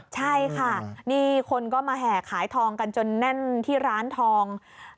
ใช่ค่ะนี่คนก็มาแห่ขายทองกันจนแน่นที่ร้านทอง